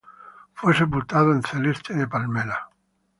Fue sepultado en Celeste de Palmela.